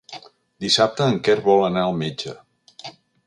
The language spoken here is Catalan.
Dissabte en Quer vol anar al metge.